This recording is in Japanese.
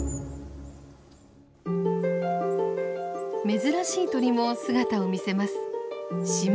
珍しい鳥も姿を見せます。